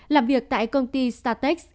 làm việc tại công ty startex